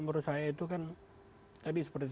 menurut saya itu kan tadi seperti